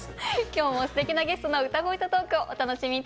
今日もすてきなゲストの歌声とトークをお楽しみ頂きます。